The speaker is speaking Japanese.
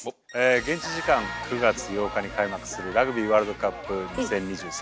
現地時間９月８日に開幕するラグビーワールドカップ２０２３